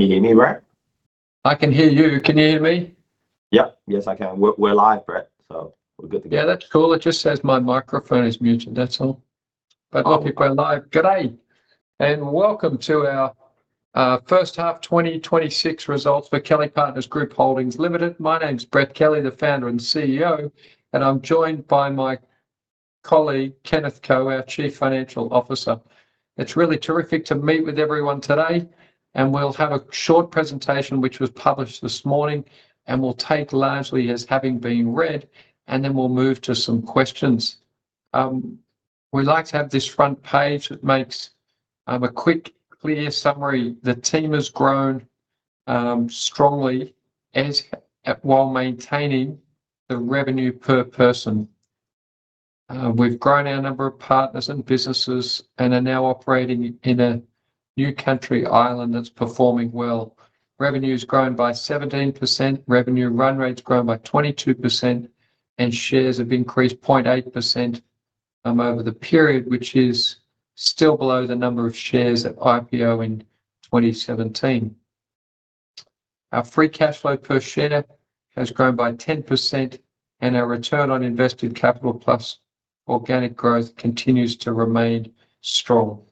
G'day and welcome to our First Half 2026 Results for Kelly Partners Group Holdings Limited. My name's Brett Kelly, the Founder and CEO, and I'm joined by my colleague Kenneth Ko, our Chief Financial Officer. It's really terrific to meet with everyone today, and we'll have a short presentation which was published this morning and will take largely as having been read, and then we'll move to some questions. We like to have this front page that makes a quick, clear summary. The team has grown strongly while maintaining the revenue per person. We've grown our number of partners and businesses and are now operating in a new country, Ireland, that's performing well. Revenue has grown by 17%, revenue run rates grown by 22%, and shares have increased 0.8% over the period, which is still below the number of shares at IPO in 2017. Our free cash flow per share has grown by 10%, and our return on invested capital plus organic growth continues to remain strong.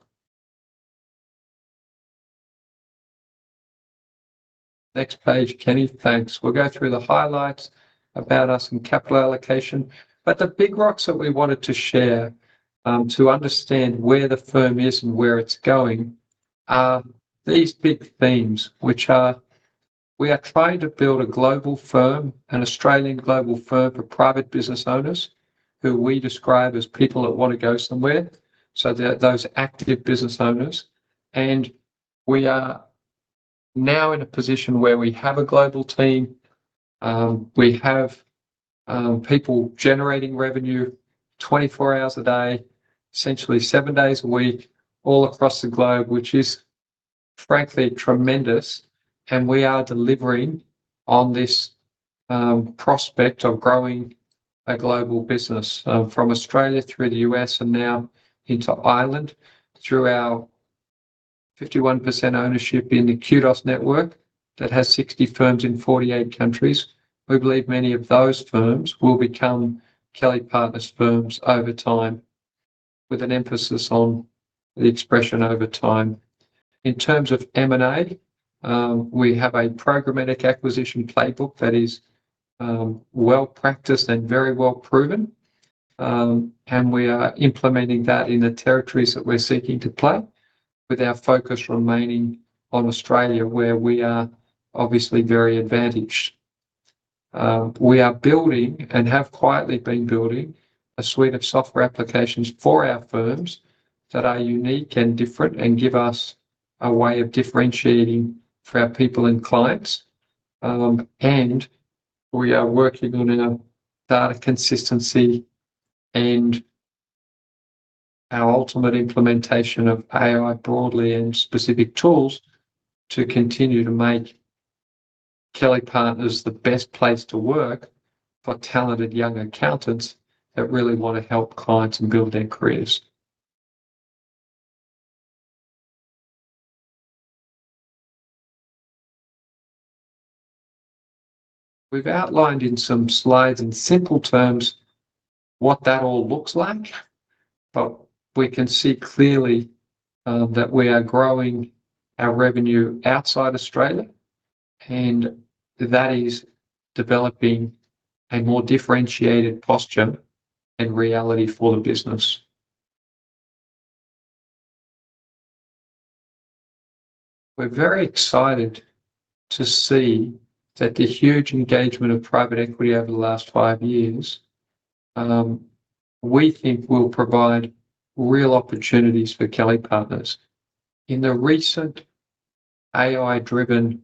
Next page, Kenny, thanks. We'll go through the highlights about us and capital allocation, but the big rocks that we wanted to share to understand where the firm is and where it's going are these big themes, which are we are trying to build a global firm, an Australian global firm for private business owners who we describe as people that want to go somewhere, so those active business owners, and we are now in a position where we have a global team, we have people generating revenue 24 hours a day, essentially seven days a week, all across the globe, which is frankly tremendous, and we are delivering on this prospect of growing a global business from Australia through the U.S. and now into Ireland through our 51% ownership in the Kudos network that has 60 firms in 48 countries. We believe many of those firms will become Kelly Partners firms over time, with an emphasis on the expression over time. In terms of M&A, we have a programmatic acquisition playbook that is well-practiced and very well-proven, and we are implementing that in the territories that we're seeking to play, with our focus remaining on Australia where we are obviously very advantaged. We are building and have quietly been building a suite of software applications for our firms that are unique and different and give us a way of differentiating for our people and clients, and we are working on our data consistency and our ultimate implementation of AI broadly and specific tools to continue to make Kelly Partners the best place to work for talented young accountants that really want to help clients and build their careers. We've outlined in some slides in simple terms what that all looks like, but we can see clearly that we are growing our revenue outside Australia, and that is developing a more differentiated posture and reality for the business. We're very excited to see that the huge engagement of private equity over the last five years we think will provide real opportunities for Kelly Partners. In the recent AI-driven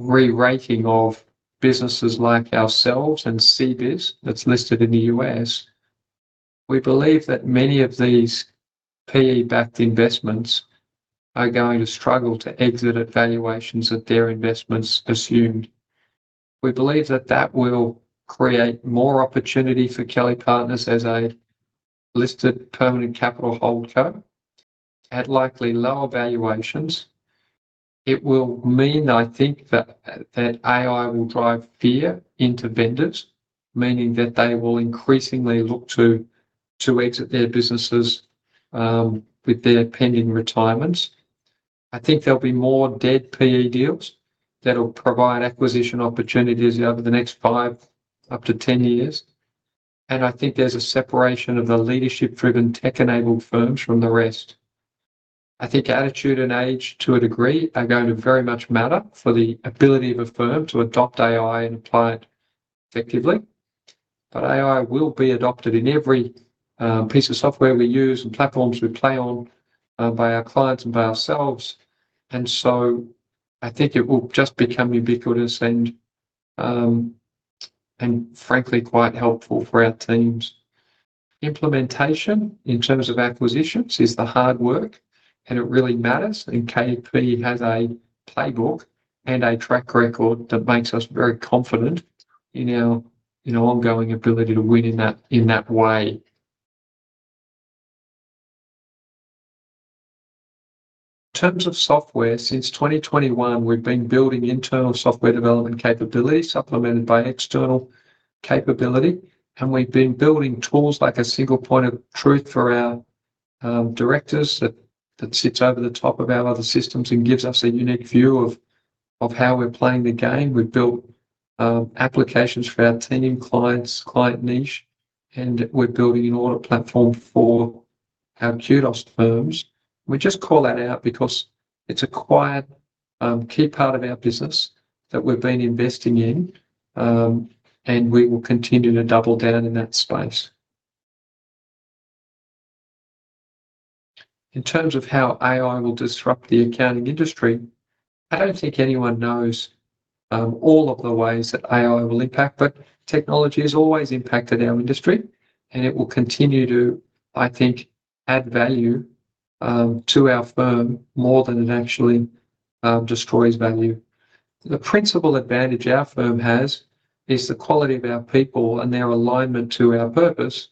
re-rating of businesses like ourselves and CBIZ that's listed in the U.S., we believe that many of these PE-backed investments are going to struggle to exit at valuations that their investments assumed. We believe that that will create more opportunity for Kelly Partners as a listed permanent capital hold co at likely lower valuations. It will mean, I think, that AI will drive fear into vendors, meaning that they will increasingly look to exit their businesses with their pending retirements. I think there'll be more dead PE deals that'll provide acquisition opportunities over the next five up to ten years, and I think there's a separation of the leadership-driven, tech-enabled firms from the rest. I think attitude and age to a degree are going to very much matter for the ability of a firm to adopt AI and apply it effectively, but AI will be adopted in every piece of software we use and platforms we play on by our clients and by ourselves, and so I think it will just become ubiquitous and frankly quite helpful for our teams. Implementation in terms of acquisitions is the hard work, and it really matters, and KP has a playbook and a track record that makes us very confident in our ongoing ability to win in that way. In terms of software, since 2021, we've been building internal software development capability supplemented by external capability, and we've been building tools like a single point of truth for our directors that sits over the top of our other systems and gives us a unique view of how we're playing the game. We've built applications for our team, client niche, and we're building an audit platform for our Kudos firms. We just call that out because it's a quite key part of our business that we've been investing in, and we will continue to double down in that space. In terms of how AI will disrupt the accounting industry, I don't think anyone knows all of the ways that AI will impact, but technology has always impacted our industry, and it will continue to, I think, add value to our firm more than it actually destroys value. The principal advantage our firm has is the quality of our people and their alignment to our purpose.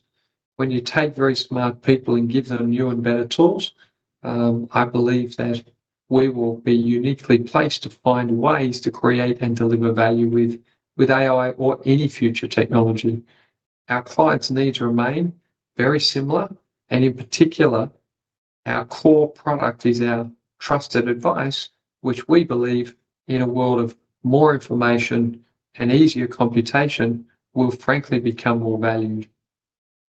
When you take very smart people and give them new and better tools, I believe that we will be uniquely placed to find ways to create and deliver value with AI or any future technology. Our clients' needs remain very similar, and in particular, our core product is our trusted advice, which we believe in a world of more information and easier computation will frankly become more valued.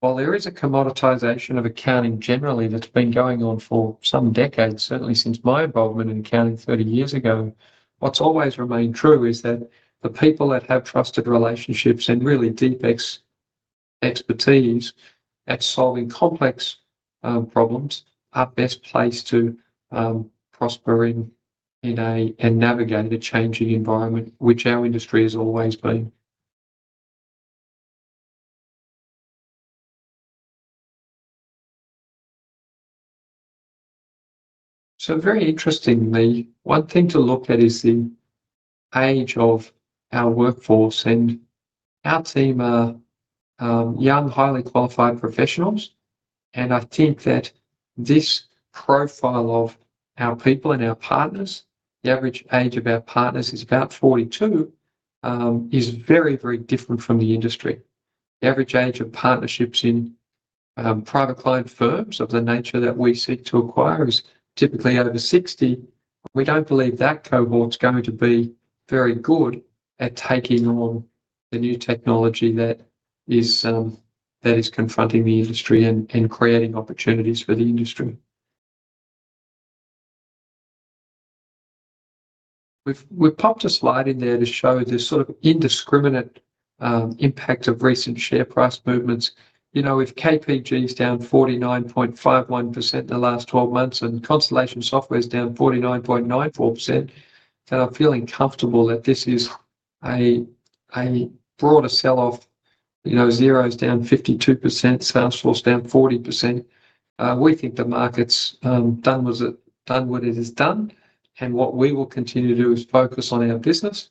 While there is a commoditization of accounting generally that's been going on for some decades, certainly since my involvement in accounting 30 years ago, what's always remained true is that the people that have trusted relationships and really deep expertise at solving complex problems are best placed to prosper in and navigate a changing environment, which our industry has always been. So very interestingly, one thing to look at is the age of our workforce, and our team are young, highly qualified professionals, and I think that this profile of our people and our partners, the average age of our partners is about 42, is very, very different from the industry. The average age of partnerships in private client firms of the nature that we seek to acquire is typically over 60, and we don't believe that cohort's going to be very good at taking on the new technology that is confronting the industry and creating opportunities for the industry. We've popped a slide in there to show the sort of indiscriminate impact of recent share price movements. With KPG's down 49.51% in the last 12 months and Constellation Software's down 49.94%, and I'm feeling comfortable that this is a broader sell-off, Xero's down 52%, Salesforce down 40%, we think the market's done what it has done, and what we will continue to do is focus on our business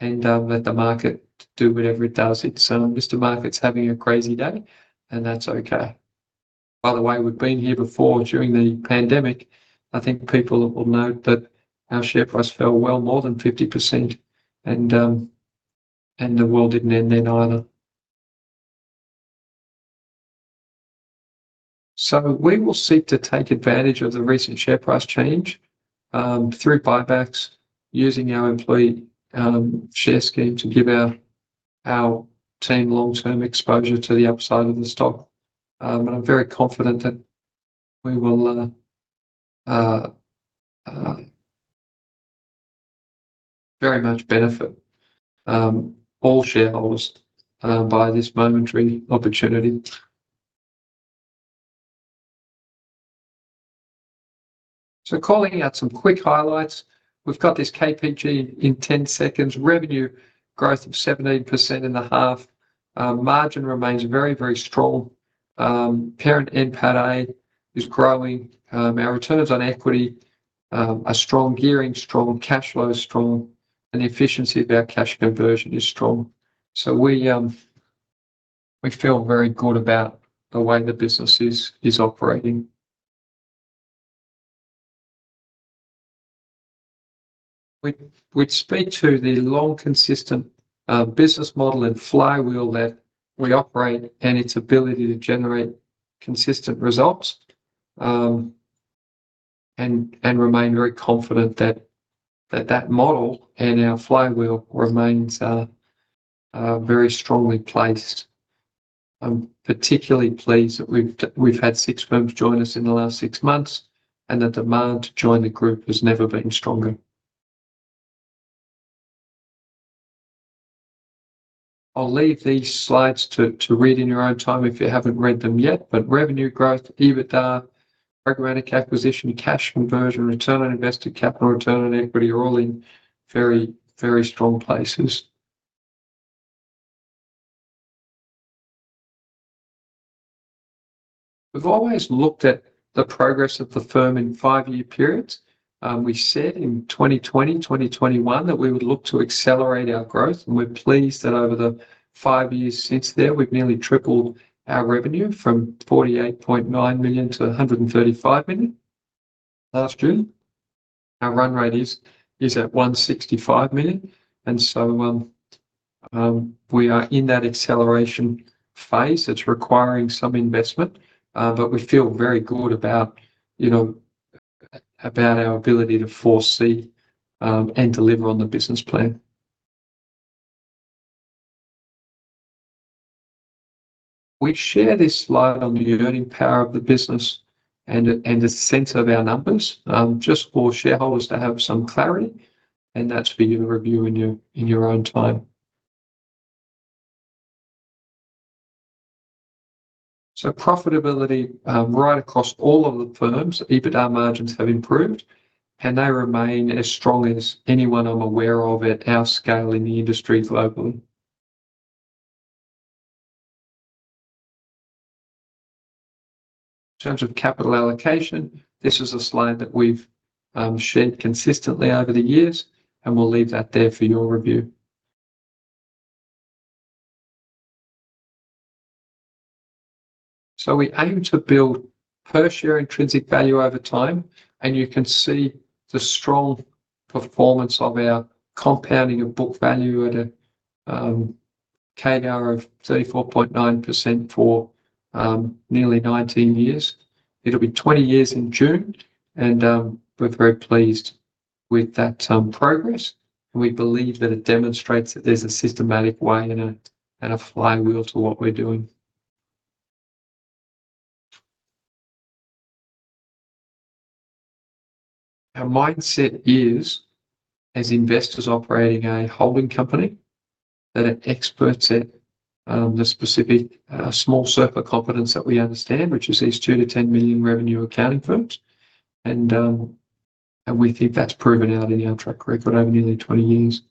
and let the market do whatever it does. Mr. Market's having a crazy day, and that's okay. By the way, we've been here before during the pandemic. I think people will note that our share price fell well more than 50%, and the world didn't end there either. So we will seek to take advantage of the recent share price change through buybacks using our employee share scheme to give our team long-term exposure to the upside of the stock, and I'm very confident that we will very much benefit all shareholders by this momentary opportunity. Calling out some quick highlights. We've got this KPG in 10 seconds. Revenue growth of 17% in the half. Margin remains very, very strong. Parent NPATA is growing. Our returns on equity are strong gearing, strong cash flow, strong, and the efficiency of our cash conversion is strong. We feel very good about the way the business is operating. We'd speak to the long-consistent business model and flywheel that we operate and its ability to generate consistent results and remain very confident that that model and our flywheel remains very strongly placed. I'm particularly pleased that we've had six firms join us in the last six months and the demand to join the group has never been stronger. I'll leave these slides to read in your own time if you haven't read them yet, but revenue growth, EBITDA, programmatic acquisition, cash conversion, return on invested capital, return on equity are all in very, very strong places. We've always looked at the progress of the firm in five-year periods. We said in 2020, 2021 that we would look to accelerate our growth, and we're pleased that over the five years since there, we've nearly tripled our revenue from 48.9 million to 135 million last June. Our run rate is at 165 million, and so we are in that acceleration phase that's requiring some investment, but we feel very good about our ability to foresee and deliver on the business plan. We share this slide on the earning power of the business and a sense of our numbers just for shareholders to have some clarity, and that's for you to review in your own time. So profitability right across all of the firms, EBITDA margins have improved, and they remain as strong as anyone I'm aware of at our scale in the industry globally. In terms of capital allocation, this is a slide that we've shared consistently over the years, and we'll leave that there for your review. So we aim to build per-share intrinsic value over time, and you can see the strong performance of our compounding of book value at a CAGR of 34.9% for nearly 19 years. It'll be 20 years in June, and we're very pleased with that progress, and we believe that it demonstrates that there's a systematic way and a flywheel to what we're doing. Our mindset is as investors operating a holding company that are experts at the specific small sphere of competence that we understand, which is these 2 million-10 million revenue accounting firms, and we think that's proven out in our track record over nearly 20 years.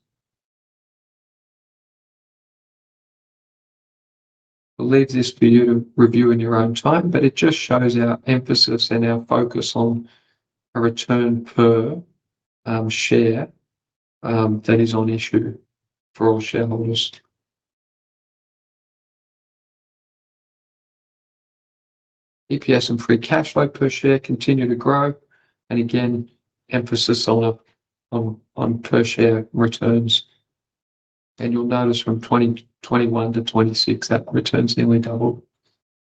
I'll leave this for you to review in your own time, but it just shows our emphasis and our focus on a return per share that is on issue for all shareholders. EPS and free cash flow per share continue to grow, and again, emphasis on per-share returns. You'll notice from 2021-2026 that returns nearly doubled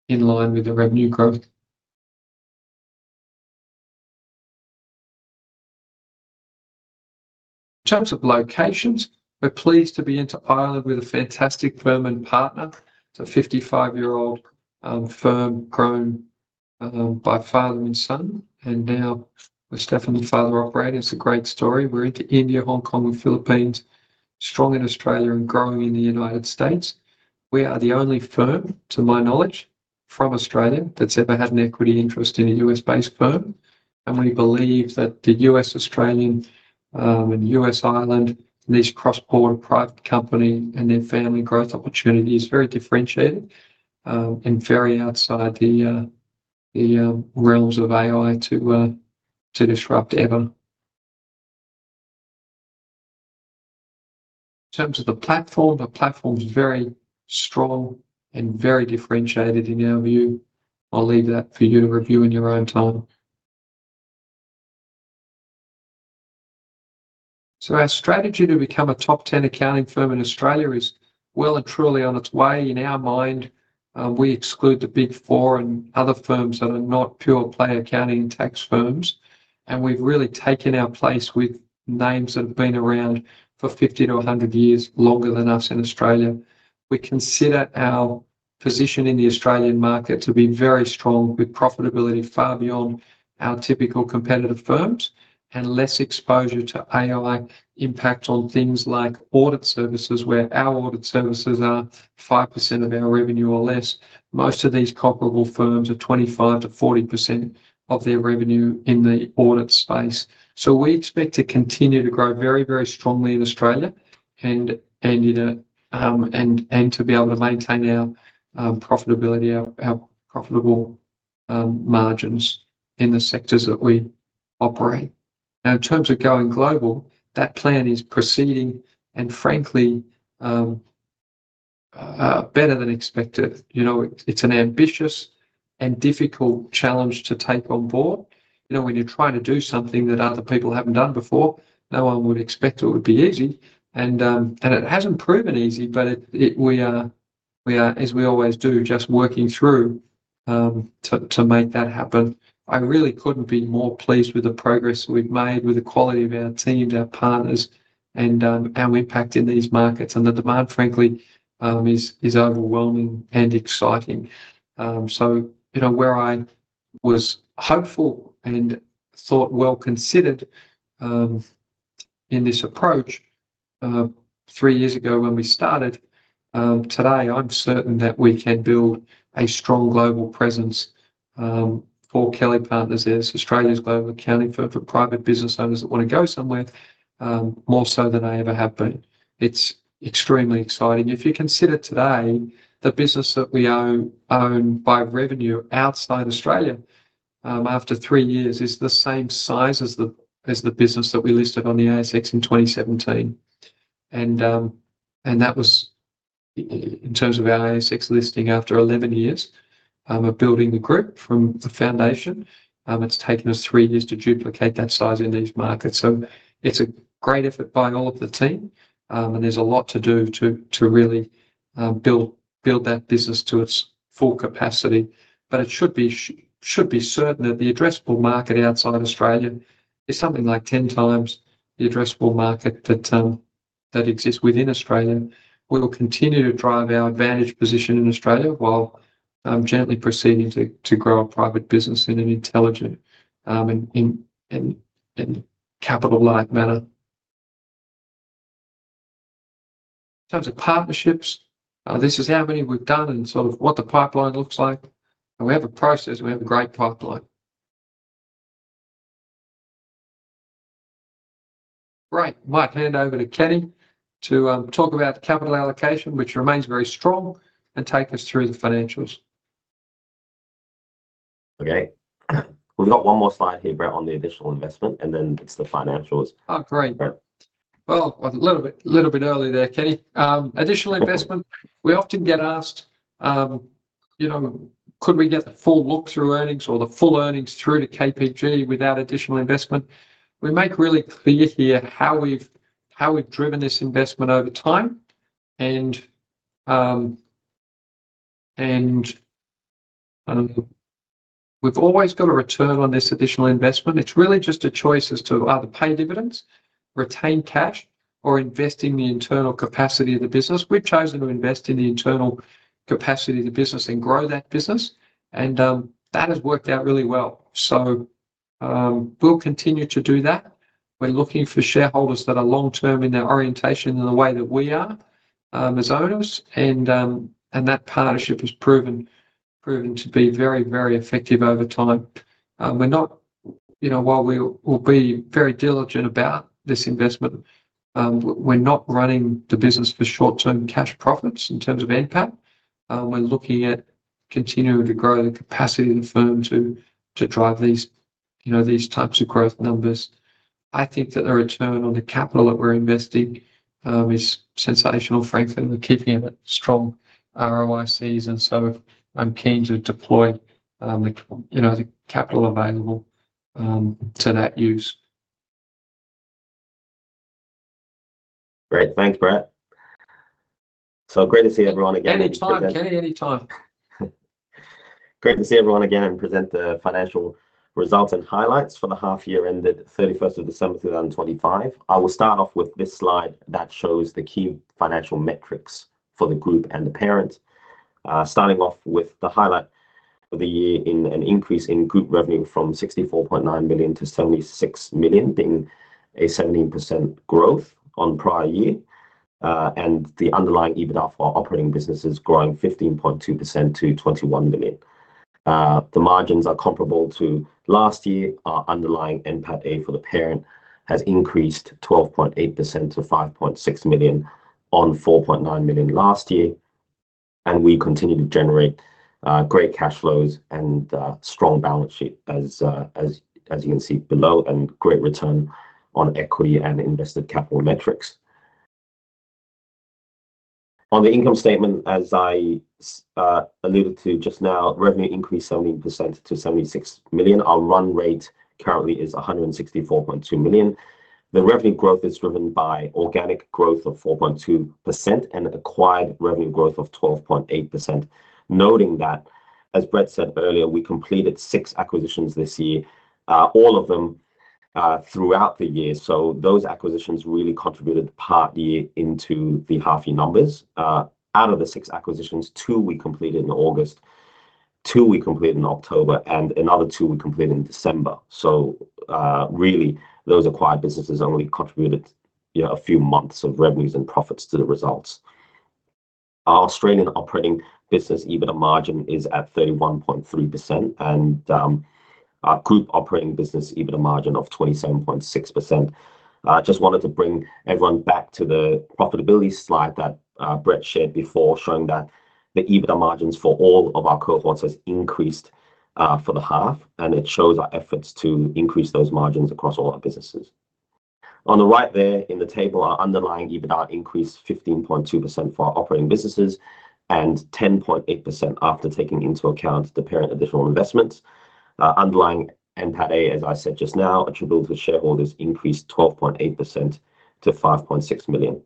in line with the revenue growth. In terms of locations, we're pleased to be into Ireland with a fantastic firm and partner. It's a 55-year-old firm grown by father and son, and now with Stephan and the father operating. It's a great story. We're into India, Hong Kong, and Philippines, strong in Australia and growing in the United States. We are the only firm, to my knowledge, from Australia that's ever had an equity interest in a U.S.-based firm, and we believe that the U.S.-Australian and U.S.-Ireland and these cross-border private company and their family growth opportunity is very differentiated and very outside the realms of AI to disrupt ever. In terms of the platform, the platform's very strong and very differentiated in our view. I'll leave that for you to review in your own time. So our strategy to become a top 10 accounting firm in Australia is well and truly on its way. In our mind, we exclude the Big Four and other firms that are not pure play accounting and tax firms, and we've really taken our place with names that have been around for 50-100 years, longer than us in Australia. We consider our position in the Australian market to be very strong with profitability far beyond our typical competitive firms and less exposure to AI impact on things like audit services where our audit services are 5% of our revenue or less. Most of these comparable firms are 25%-40% of their revenue in the audit space. So we expect to continue to grow very, very strongly in Australia and to be able to maintain our profitability, our profitable margins in the sectors that we operate. Now, in terms of going global, that plan is proceeding and frankly better than expected. It's an ambitious and difficult challenge to take on board. When you're trying to do something that other people haven't done before, no one would expect it would be easy, and it hasn't proven easy, but we are, as we always do, just working through to make that happen. I really couldn't be more pleased with the progress we've made with the quality of our teams, our partners, and our impact in these markets, and the demand, frankly, is overwhelming and exciting. So where I was hopeful and thought well-considered in this approach three years ago when we started, today, I'm certain that we can build a strong global presence for Kelly Partners as Australia's global accounting firm for private business owners that want to go somewhere more so than I ever have been. It's extremely exciting. If you consider today, the business that we own by revenue outside Australia after three years is the same size as the business that we listed on the ASX in 2017, and that was in terms of our ASX listing after 11 years of building the group from the foundation. It's taken us three years to duplicate that size in these markets. So it's a great effort by all of the team, and there's a lot to do to really build that business to its full capacity, but it should be certain that the addressable market outside Australia is something like 10 times the addressable market that exists within Australia. We'll continue to drive our advantage position in Australia while gently proceeding to grow a private business in an intelligent and capital-like manner. In terms of partnerships, this is how many we've done and sort of what the pipeline looks like. We have a process. We have a great pipeline. Great. Might hand over to Kenny to talk about capital allocation, which remains very strong, and take us through the financials. Okay. We've got one more slide here, Brett, on the additional investment, and then it's the financials. Oh, great. Well, a little bit early there, Kenny. Additional investment, we often get asked, "Could we get the full look through earnings or the full earnings through to KPG without additional investment?" We make really clear here how we've driven this investment over time, and we've always got a return on this additional investment. It's really just a choice as to either pay dividends, retain cash, or invest in the internal capacity of the business. We've chosen to invest in the internal capacity of the business and grow that business, and that has worked out really well. So we'll continue to do that. We're looking for shareholders that are long-term in their orientation in the way that we are as owners, and that partnership has proven to be very, very effective over time. While we'll be very diligent about this investment, we're not running the business for short-term cash profits in terms of NPAT. We're looking at continuing to grow the capacity of the firm to drive these types of growth numbers. I think that the return on the capital that we're investing is sensational, frankly. We're keeping it at strong ROICs, and so I'm keen to deploy the capital available to that use. Great. Thanks, Brett. So great to see everyone again and present. Anytime, Kenny. Anytime. Great to see everyone again and present the financial results and highlights for the half-year ended December 31st 2025. I will start off with this slide that shows the key financial metrics for the group and the parent, starting off with the highlight of the year in an increase in group revenue from 64.9 million-76 million, being a 17% growth on prior year, and the underlying EBITDA for operating businesses growing 15.2% to 21 million. The margins are comparable to last year. Our underlying NPATA for the parent has increased 12.8% to 5.6 million on 4.9 million last year, and we continue to generate great cash flows and strong balance sheet, as you can see below, and great return on equity and invested capital metrics. On the income statement, as I alluded to just now, revenue increased 17% to 76 million. Our run rate currently is 164.2 million. The revenue growth is driven by organic growth of 4.2% and acquired revenue growth of 12.8%, noting that, as Brett said earlier, we completed six acquisitions this year, all of them throughout the year. So those acquisitions really contributed partly into the half-year numbers. Out of the six acquisitions, two we completed in August, two we completed in October, and another two we completed in December. So really, those acquired businesses only contributed a few months of revenues and profits to the results. Our Australian operating business EBITDA margin is at 31.3% and our group operating business EBITDA margin of 27.6%. I just wanted to bring everyone back to the profitability slide that Brett shared before, showing that the EBITDA margins for all of our cohorts have increased for the half, and it shows our efforts to increase those margins across all our businesses. On the right there in the table, our underlying EBITDA increased 15.2% for our operating businesses and 10.8% after taking into account the parent additional investments. Underlying NPATA, as I said just now, attributable to shareholders, increased 12.8% to 5.6 million.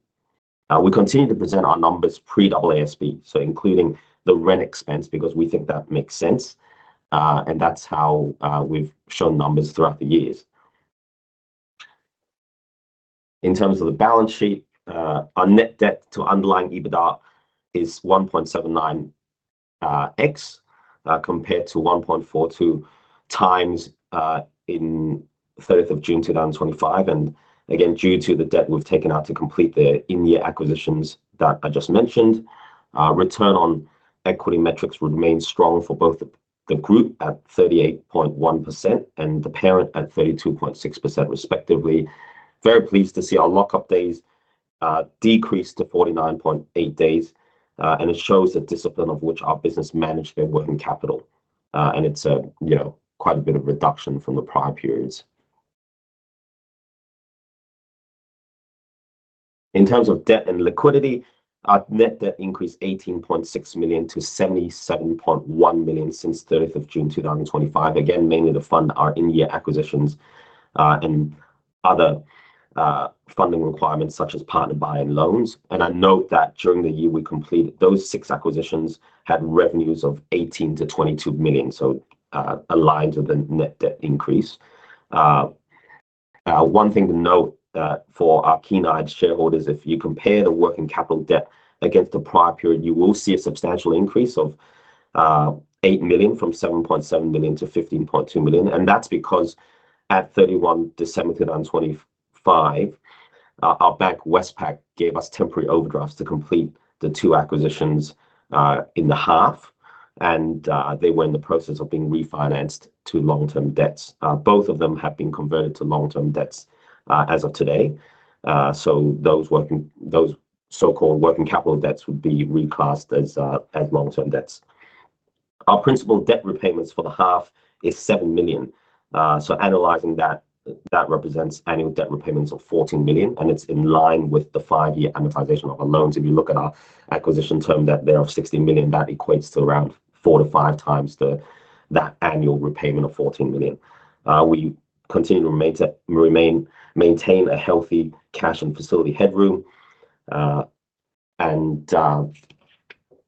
We continue to present our numbers pre-AASB, so including the rent expense because we think that makes sense, and that's how we've shown numbers throughout the years. In terms of the balance sheet, our net debt to underlying EBITDA is 1.79x compared to 1.42 times in June 30th 2025. Again, due to the debt we've taken out to complete the in-year acquisitions that I just mentioned, return on equity metrics remains strong for both the group at 38.1% and the parent at 32.6%, respectively. Very pleased to see our lockup days decrease to 49.8 days, and it shows the discipline of which our business managed their working capital, and it's quite a bit of reduction from the prior periods. In terms of debt and liquidity, our net debt increased 18.6 million to 77.1 million since June 30th 2025, again, mainly to fund our in-year acquisitions and other funding requirements such as partner buy and loans. I note that during the year we completed, those six acquisitions had revenues of 18 million-22 million, so aligned with the net debt increase. One thing to note for our keen-eyed shareholders, if you compare the working capital debt against the prior period, you will see a substantial increase of 8 million from 7.7 million-15.2 million. And that's because at December 31 2025, our bank, Westpac, gave us temporary overdrafts to complete the two acquisitions in the half, and they were in the process of being refinanced to long-term debts. Both of them have been converted to long-term debts as of today. So those so-called working capital debts would be reclassed as long-term debts. Our principal debt repayments for the half is 7 million. So analyzing that, that represents annual debt repayments of 14 million, and it's in line with the five-year amortization of our loans. If you look at our acquisition term debt there of 60 million, that equates to around four to five times that annual repayment of 14 million. We continue to maintain a healthy cash and facility headroom, and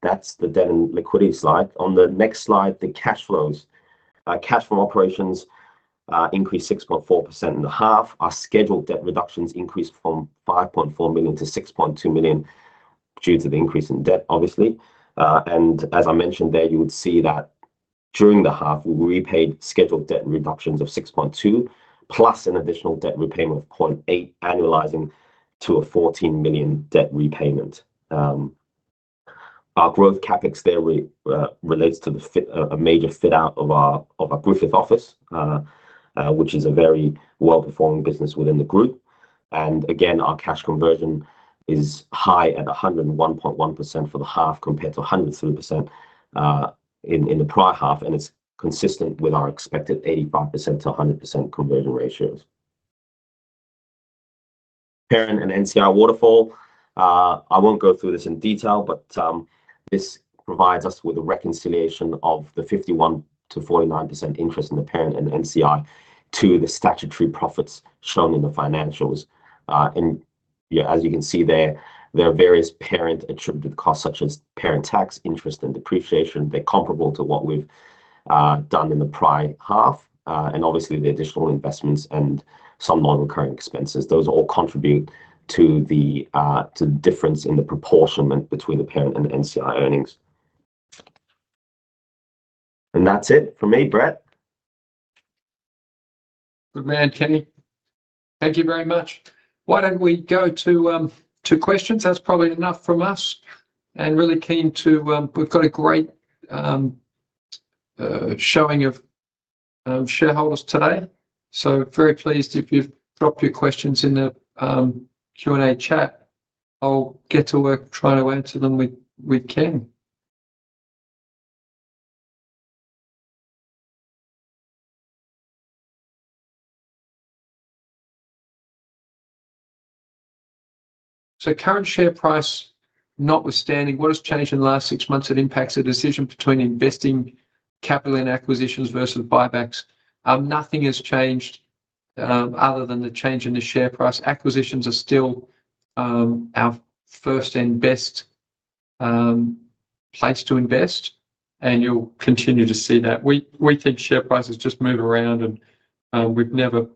that's the debt and liquidity slide. On the next slide, the cash flows. Cash from operations increased 6.4% in the half. Our scheduled debt reductions increased from 5.4 million-6.2 million due to the increase in debt, obviously. And as I mentioned there, you would see that during the half, we repaid scheduled debt reductions of 6.2 million plus an additional debt repayment of 0.8 million, annualizing to a 14 million debt repayment. Our growth CapEx there relates to a major fit-out of our Griffith office, which is a very well-performing business within the group. And again, our cash conversion is high at 101.1% for the half compared to 103% in the prior half, and it's consistent with our expected 85%-100% conversion ratios. Parent and NCI Waterfall. I won't go through this in detail, but this provides us with a reconciliation of the 51%-49% interest in the parent and NCI to the statutory profits shown in the financials. And as you can see there, there are various parent-attributed costs such as parent tax, interest, and depreciation. They're comparable to what we've done in the prior half. And obviously, the additional investments and some non-recurring expenses, those all contribute to the difference in the proportionment between the parent and NCI earnings. And that's it from me, Brett. Good man, Kenny. Thank you very much. Why don't we go to questions? That's probably enough from us. And really keen to we've got a great showing of shareholders today. So very pleased if you've dropped your questions in the Q&A chat. I'll get to work trying to answer them with Kenny. So current share price notwithstanding, what has changed in the last six months that impacts the decision between investing capital in acquisitions versus buybacks? Nothing has changed other than the change in the share price. Acquisitions are still our first and best place to invest, and you'll continue to see that. We think share prices just move around, and we've never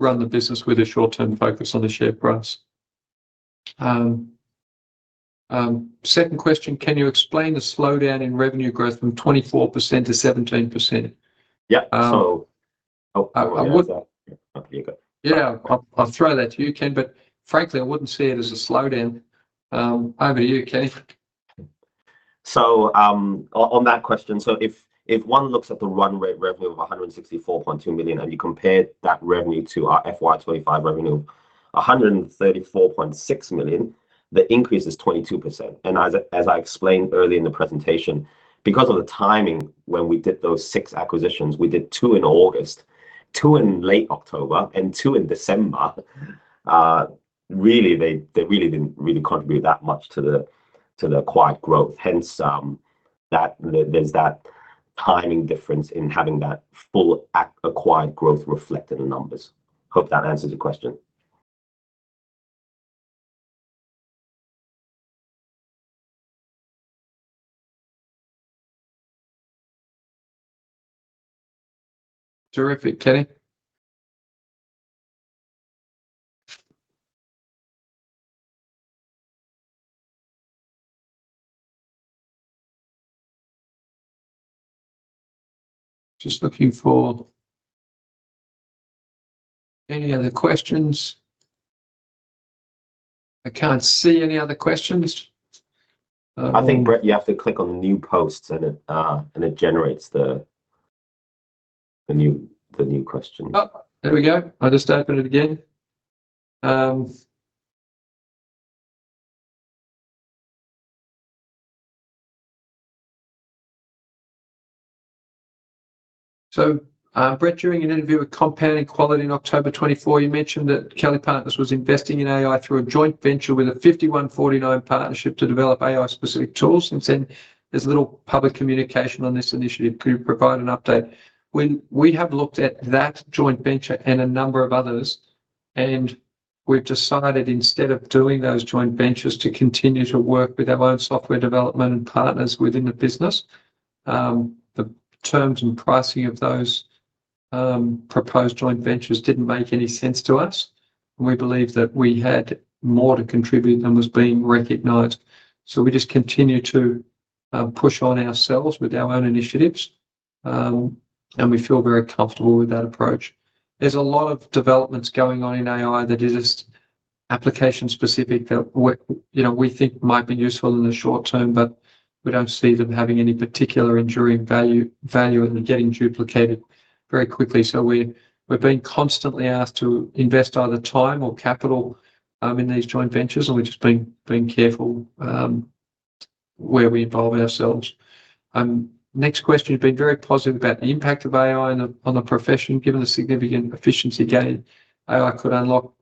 run the business with a short-term focus on the share price. Second question, can you explain the slowdown in revenue growth from 24% to 17%? Yeah. So I'll throw that. Yeah. Okay. You're good. Yeah. I'll throw that to you, Kenny, but frankly, I wouldn't see it as a slowdown. Over to you, Kenny. So on that question, so if one looks at the run rate revenue of 164.2 million and you compare that revenue to our FY25 revenue, 134.6 million, the increase is 22%. And as I explained earlier in the presentation, because of the timing when we did those six acquisitions, we did two in August, two in late October, and two in December, really, they really didn't really contribute that much to the acquired growth. Hence, there's that timing difference in having that full acquired growth reflected in the numbers. Hope that answers your question. Terrific, Kenny. Just looking for any other questions. I can't see any other questions. I think, Brett, you have to click on New Posts, and it generates the new question. Oh, there we go. I just opened it again. So Brett, during an interview with Compounding Quality in October 2024, you mentioned that Kelly Partners was investing in AI through a joint venture with a 5149 partnership to develop AI-specific tools. And then there's a little public communication on this initiative. Could you provide an update? We have looked at that joint venture and a number of others, and we've decided instead of doing those joint ventures to continue to work with our own software development and partners within the business. The terms and pricing of those proposed joint ventures didn't make any sense to us, and we believe that we had more to contribute than was being recognized. So we just continue to push on ourselves with our own initiatives, and we feel very comfortable with that approach. There's a lot of developments going on in AI that are just application-specific that we think might be useful in the short term, but we don't see them having any particular enduring value, and they're getting duplicated very quickly. So we're being constantly asked to invest either time or capital in these joint ventures, and we're just being careful where we involve ourselves. Next question, you've been very positive about the impact of AI on the profession. Given the significant efficiency gain AI could unlock,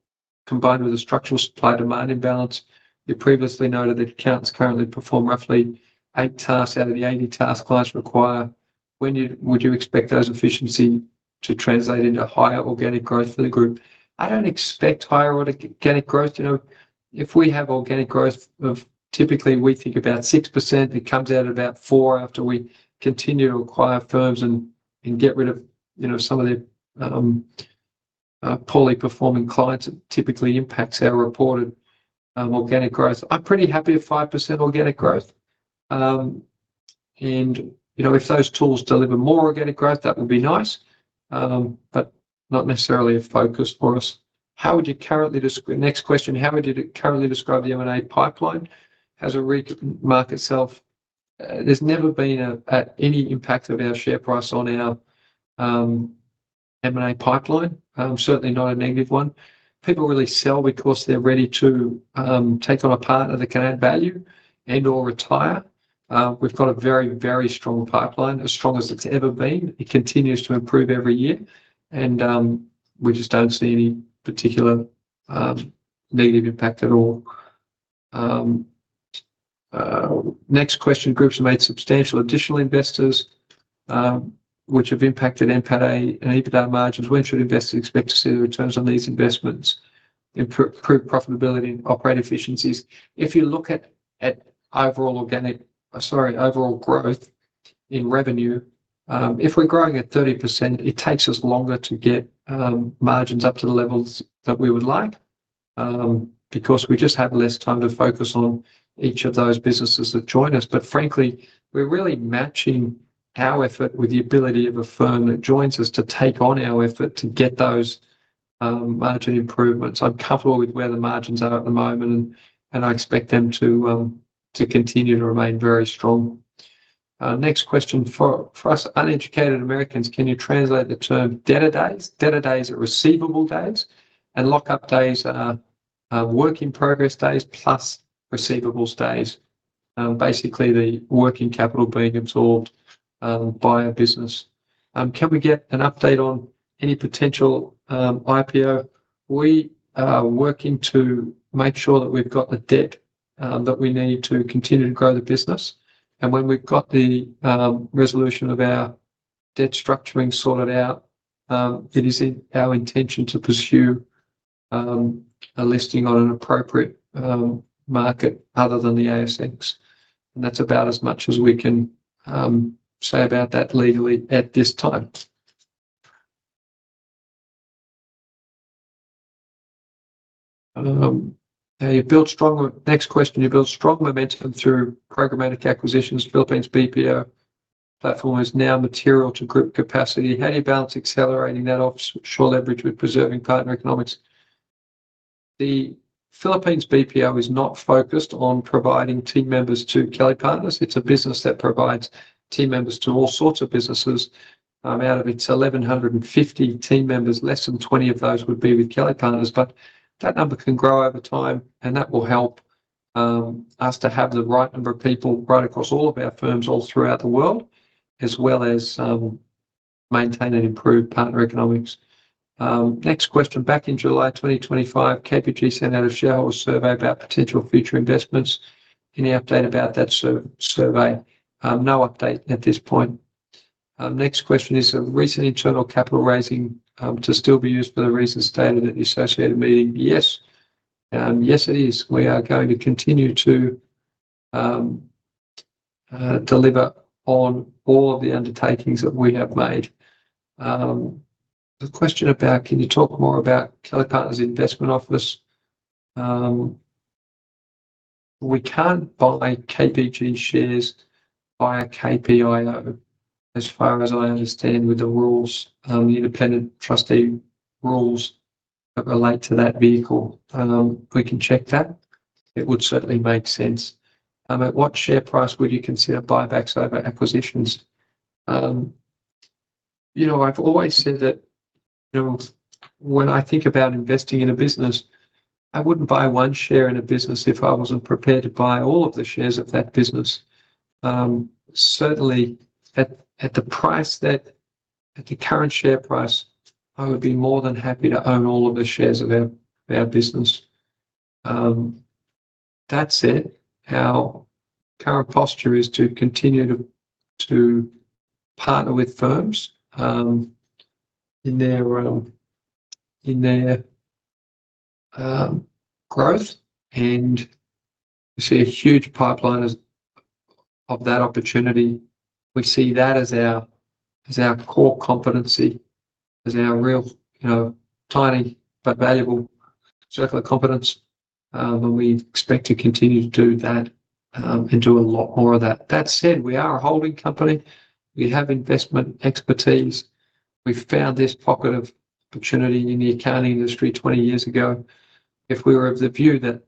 combined with a structural supply-demand imbalance, you previously noted that accountants currently perform roughly eight tasks out of the 80 tasks clients require. When would you expect those efficiencies to translate into higher organic growth for the group? I don't expect higher organic growth. If we have organic growth of typically, we think about 6%. It comes out at about 4% after we continue to acquire firms and get rid of some of the poorly performing clients. It typically impacts our reported organic growth. I'm pretty happy with 5% organic growth. And if those tools deliver more organic growth, that would be nice, but not necessarily a focus for us. How would you currently describe the M&A pipeline? Has the market softened? There's never been any impact of our share price on our M&A pipeline, certainly not a negative one. People really sell because they're ready to take on a partner that can add value and/or retire. We've got a very, very strong pipeline, as strong as it's ever been. It continues to improve every year, and we just don't see any particular negative impact at all. Next question, groups have made substantial additional investors, which have impacted NPATA and EBITDA margins. When should investors expect to see the returns on these investments improve profitability and operate efficiencies? If you look at overall growth in revenue, if we're growing at 30%, it takes us longer to get margins up to the levels that we would like because we just have less time to focus on each of those businesses that join us. But frankly, we're really matching our effort with the ability of a firm that joins us to take on our effort to get those margin improvements. I'm comfortable with where the margins are at the moment, and I expect them to continue to remain very strong. Next question, for us uneducated Americans, can you translate the term debtor days? Debtor days are receivable days, and lockup days are work in progress days plus receivables days, basically the working capital being absorbed by a business. Can we get an update on any potential IPO? We are working to make sure that we've got the debt that we need to continue to grow the business. And when we've got the resolution of our debt structuring sorted out, it is in our intention to pursue a listing on an appropriate market other than the ASX. That's about as much as we can say about that legally at this time. Now, next question, you've built strong momentum through programmatic acquisitions. Philippines BPO platform is now material to group capacity. How do you balance accelerating that offshore leverage with preserving partner economics? The Philippines BPO is not focused on providing team members to Kelly Partners. It's a business that provides team members to all sorts of businesses. Out of its 1,150 team members, less than 20 of those would be with Kelly Partners, but that number can grow over time, and that will help us to have the right number of people right across all of our firms all throughout the world, as well as maintain and improve partner economics. Next question, back in July 2025, KPG sent out a shareholder survey about potential future investments. Any update about that survey? No update at this point. Next question is, a recent internal capital raising to still be used for the reasons stated at the associated meeting? Yes. Yes, it is. We are going to continue to deliver on all of the undertakings that we have made. The question about, can you talk more about Kelly Partners' investment office? We can't buy KPG shares via KPIO, as far as I understand, with the rules, the independent trustee rules that relate to that vehicle. We can check that. It would certainly make sense. At what share price would you consider buybacks over acquisitions? I've always said that when I think about investing in a business, I wouldn't buy one share in a business if I wasn't prepared to buy all of the shares of that business. Certainly, at the current share price, I would be more than happy to own all of the shares of our business. That's it. Our current posture is to continue to partner with firms in their growth, and we see a huge pipeline of that opportunity. We see that as our core competency, as our real tiny but valuable circle of competence, and we expect to continue to do that and do a lot more of that. That said, we are a holding company. We have investment expertise. We found this pocket of opportunity in the accounting industry 20 years ago. If we were of the view that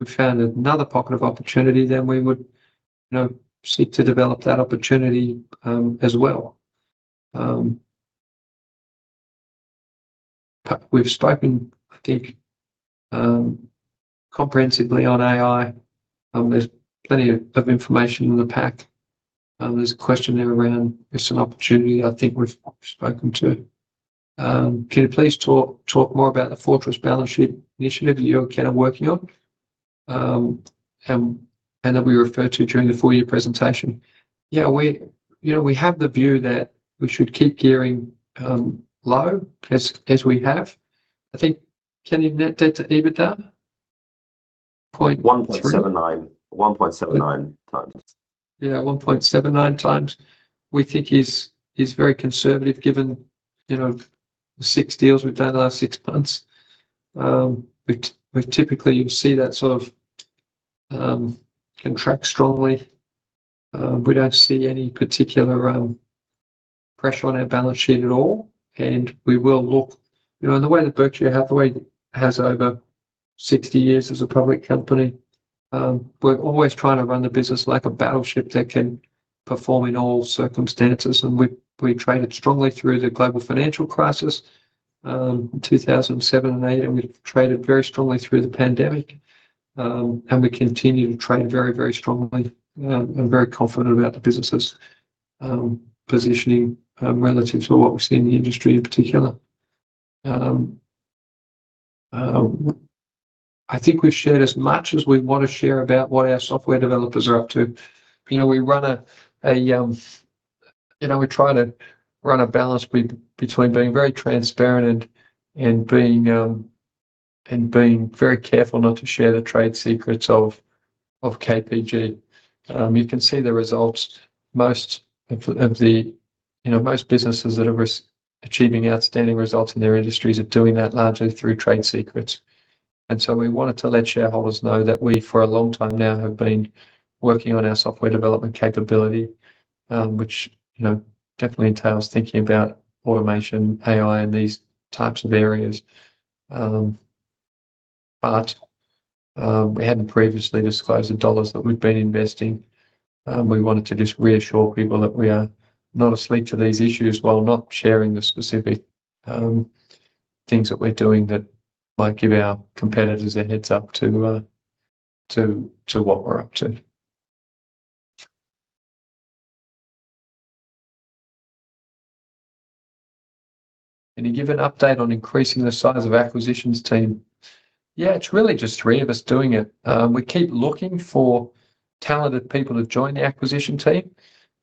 we found another pocket of opportunity, then we would seek to develop that opportunity as well. We've spoken, I think, comprehensively on AI. There's plenty of information in the pack. There's a question there around, "Is it an opportunity?" I think we've spoken to. Can you please talk more about the Fortress Balance Sheet Initiative that you're kind of working on and that we referred to during the four-year presentation? Yeah, we have the view that we should keep gearing low as we have. I think, Kenny, net debt to EBITDA? 1.3? 1.79. 1.79 times. Yeah, 1.79 times, we think, is very conservative given the six deals we've done the last six months. Typically, you'll see that sort of contract strongly. We don't see any particular pressure on our balance sheet at all, and we will look and the way that Berkshire Hathaway has over 60 years as a public company, we're always trying to run the business like a battleship that can perform in all circumstances. We traded strongly through the global financial crisis in 2007 and 2008, and we traded very strongly through the pandemic, and we continue to trade very, very strongly. I'm very confident about the business's positioning relative to what we see in the industry in particular. I think we've shared as much as we want to share about what our software developers are up to. We try to run a balance between being very transparent and being very careful not to share the trade secrets of KPG. You can see the results. Most businesses that are achieving outstanding results in their industries are doing that largely through trade secrets. And so we wanted to let shareholders know that we, for a long time now, have been working on our software development capability, which definitely entails thinking about automation, AI, and these types of areas. But we hadn't previously disclosed the dollars that we'd been investing. We wanted to just reassure people that we are not asleep to these issues while not sharing the specific things that we're doing that might give our competitors a heads-up to what we're up to. Any given update on increasing the size of acquisitions team? Yeah, it's really just three of us doing it. We keep looking for talented people to join the acquisition team,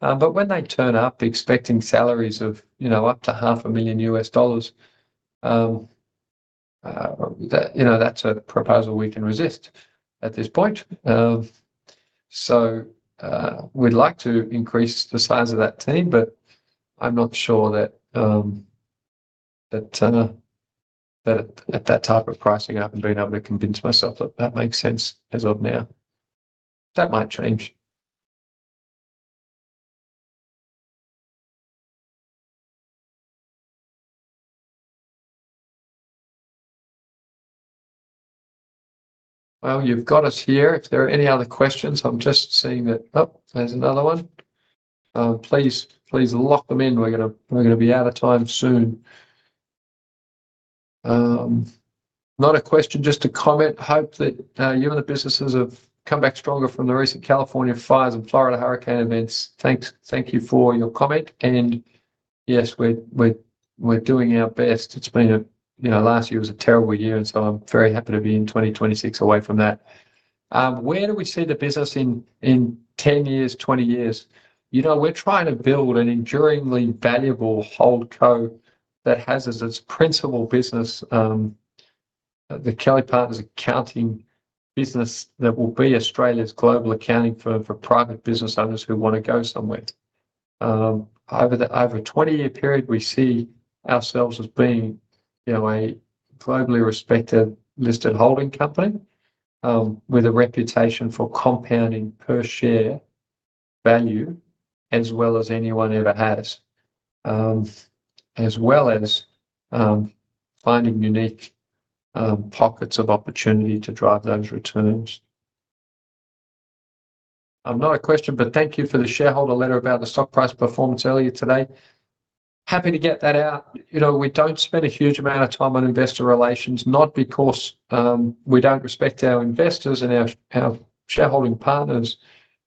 but when they turn up expecting salaries of up to $500,000, that's a proposal we can resist at this point. So we'd like to increase the size of that team, but I'm not sure that at that type of pricing up and being able to convince myself that that makes sense as of now. That might change. Well, you've got us here. If there are any other questions, I'm just seeing that oh, there's another one. Please lock them in. We're going to be out of time soon. Not a question, just a comment. Hope that you and the businesses have come back stronger from the recent California fires and Florida hurricane events. Thank you for your comment. Yes, we're doing our best. Last year was a terrible year, and so I'm very happy to be in 2026 away from that. Where do we see the business in 10 years, 20 years? We're trying to build an enduringly valuable holdco that has as its principal business the Kelly Partners Accounting business that will be Australia's global accounting firm for private business owners who want to go somewhere. Over a 20-year period, we see ourselves as being a globally respected listed holding company with a reputation for compounding per share value as well as anyone ever has, as well as finding unique pockets of opportunity to drive those returns. Not a question, but thank you for the shareholder letter about the stock price performance earlier today. Happy to get that out. We don't spend a huge amount of time on investor relations, not because we don't respect our investors and our shareholding partners,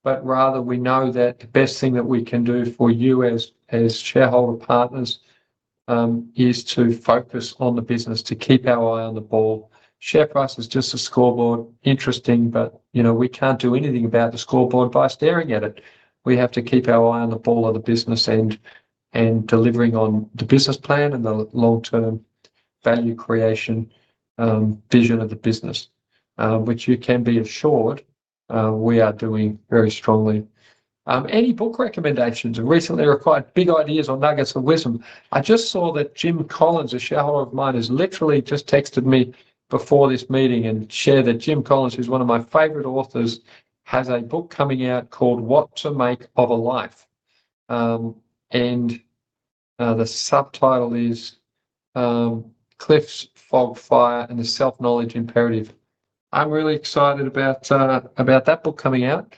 but rather we know that the best thing that we can do for you as shareholder partners is to focus on the business, to keep our eye on the ball. Share price is just a scoreboard, interesting, but we can't do anything about the scoreboard by staring at it. We have to keep our eye on the ball of the business and delivering on the business plan and the long-term value creation vision of the business, which you can be assured we are doing very strongly. Any book recommendations? Recently, I required big ideas or nuggets of wisdom. I just saw that Jim Collins, a shareholder of mine, has literally just texted me before this meeting and shared that Jim Collins, who's one of my favorite authors, has a book coming out called What to Make of a Life, and the subtitle is Cliffs, Fog, Fire, and the Self-Knowledge Imperative. I'm really excited about that book coming out.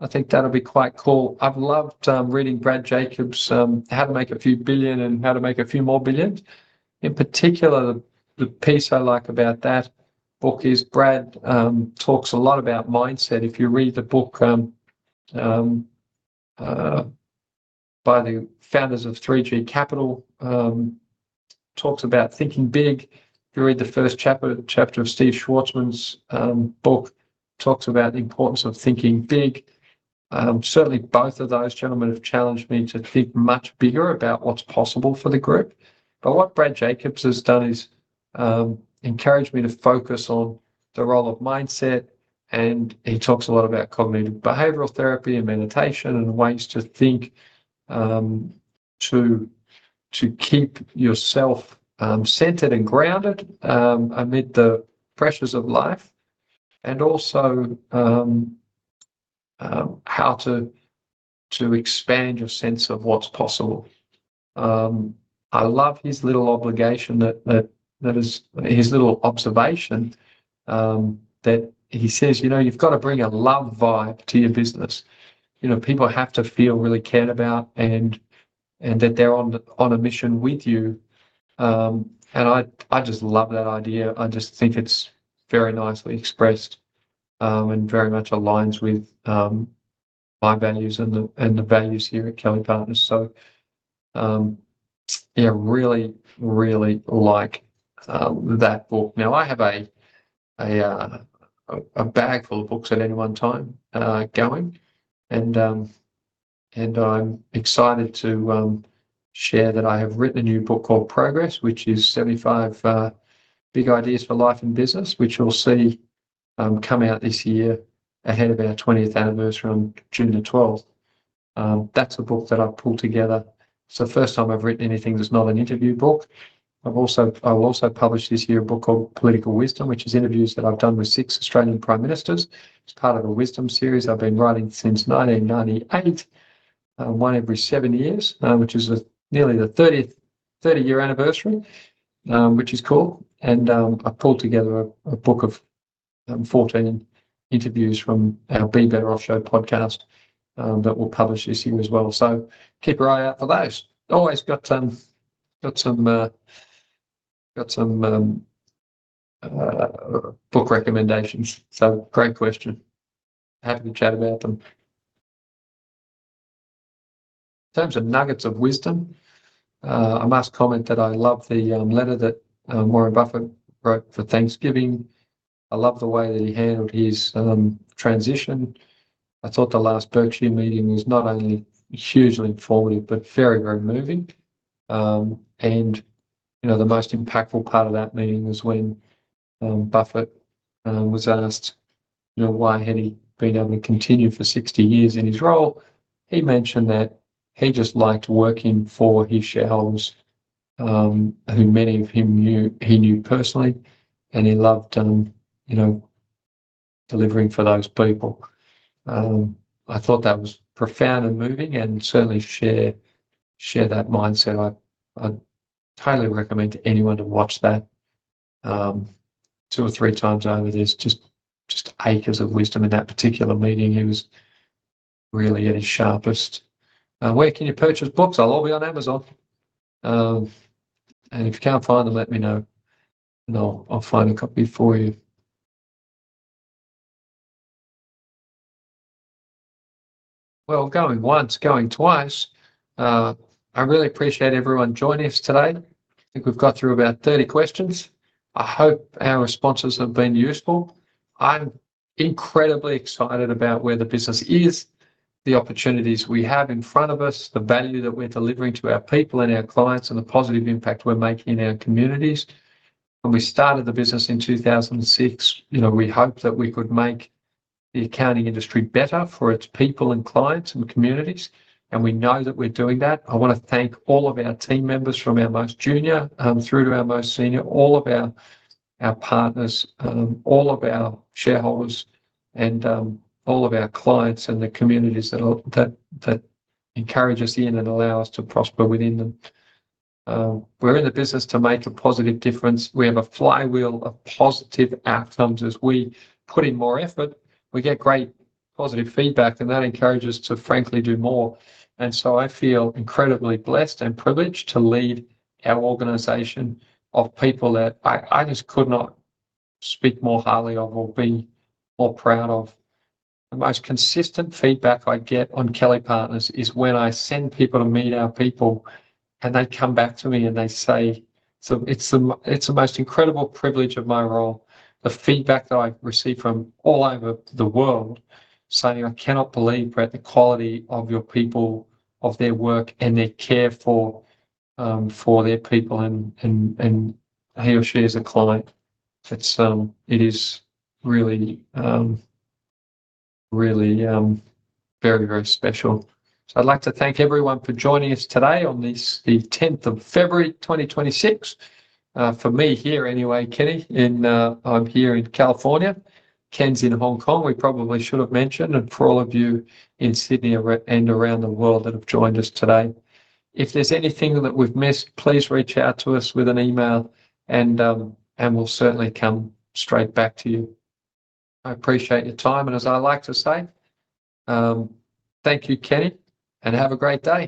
I think that'll be quite cool. I've loved reading Brad Jacobs's How to Make a Few Billion and How to Make a Few More Billions. In particular, the piece I like about that book is Brad talks a lot about mindset. If you read the book by the founders of 3G Capital, talks about thinking big. If you read the first chapter of Steve Schwarzman's book, talks about the importance of thinking big. Certainly, both of those gentlemen have challenged me to think much bigger about what's possible for the group, but what Brad Jacobs has done is encourage me to focus on the role of mindset, and he talks a lot about cognitive behavioral therapy and meditation and ways to think to keep yourself centered and grounded amid the pressures of life and also how to expand your sense of what's possible. I love his little observation that is his little observation that he says, "You've got to bring a love vibe to your business. People have to feel really cared about and that they're on a mission with you." And I just love that idea. I just think it's very nicely expressed and very much aligns with my values and the values here at Kelly Partners. So yeah, really, really like that book. Now, I have a bag full of books at any one time going, and I'm excited to share that I have written a new book called Progress, which is 75 Big Ideas for Life in Business, which you'll see come out this year ahead of our 20th anniversary on June the 12th. That's the book that I've pulled together. It's the first time I've written anything that's not an interview book. I will also publish this year a book called Political Wisdom, which is interviews that I've done with six Australian Prime Ministers. It's part of a wisdom series I've been writing since 1998, one every seven years, which is nearly the 30th, 30-year anniversary, which is cool. I've pulled together a book of 14 interviews from our Be Better Offshore podcast that we'll publish this year as well. Keep an eye out for those. Always got some book recommendations, so great question. Happy to chat about them. In terms of nuggets of wisdom, I must comment that I love the letter that Warren Buffett wrote for Thanksgiving. I love the way that he handled his transition. I thought the last Berkshire meeting was not only hugely informative but very, very moving. The most impactful part of that meeting was when Buffett was asked why had he been able to continue for 60 years in his role. He mentioned that he just liked working for his shareholders, who many of him knew personally, and he loved delivering for those people. I thought that was profound and moving and certainly share that mindset. I'd totally recommend to anyone to watch that two or three times over. There's just acres of wisdom in that particular meeting. He was really at his sharpest. Where can you purchase books? They'll all be on Amazon. And if you can't find them, let me know and I'll find a copy for you. Well, going once, going twice, I really appreciate everyone joining us today. I think we've got through about 30 questions. I hope our responses have been useful. I'm incredibly excited about where the business is, the opportunities we have in front of us, the value that we're delivering to our people and our clients, and the positive impact we're making in our communities. When we started the business in 2006, we hoped that we could make the accounting industry better for its people and clients and communities, and we know that we're doing that. I want to thank all of our team members from our most junior through to our most senior, all of our partners, all of our shareholders, and all of our clients and the communities that encourage us in and allow us to prosper within them. We're in the business to make a positive difference. We have a flywheel of positive outcomes. As we put in more effort, we get great positive feedback, and that encourages us to frankly do more. And so I feel incredibly blessed and privileged to lead our organization of people that I just could not speak more highly of or be more proud of. The most consistent feedback I get on Kelly Partners is when I send people to meet our people and they come back to me and they say, "It's the most incredible privilege of my role." The feedback that I receive from all over the world saying, "I cannot believe, Brett, the quality of your people, of their work, and their care for their people," and he or she is a client. It is really, really very, very special. So I'd like to thank everyone for joining us today on the February 10th 2026. For me here anyway, Kenny, I'm here in California, Ken's in Hong Kong, we probably should have mentioned, and for all of you in Sydney and around the world that have joined us today. If there's anything that we've missed, please reach out to us with an email and we'll certainly come straight back to you. I appreciate your time, and as I like to say, thank you, Kenny, and have a great day.